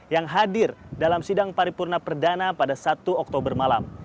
yang hadir dalam sidang paripurna perdana pada satu oktober malam